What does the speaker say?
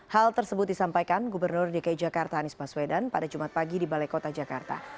hal tersebut disampaikan gubernur dki jakarta anies baswedan pada jumat pagi di balai kota jakarta